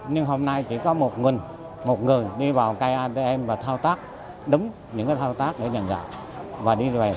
nhưng hôm nay chỉ có một người đi vào cây atm và thao tác đúng những cái thao tác để nhận gạo